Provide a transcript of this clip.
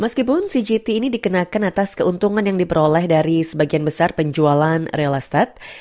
meskipun cgt ini dikenakan atas keuntungan yang diperoleh dari sebagian besar penjualan real start